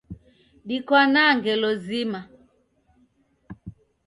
Dikwanaa ngelo zima